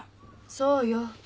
そうよ。